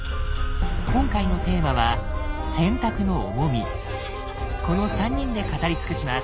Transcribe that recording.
今回のテーマはこの３人で語り尽くします。